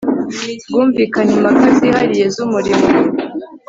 bwumvikane impaka zihariye z umurimo